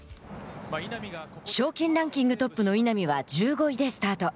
賞金ランキングトップの稲見は１５位でスタート。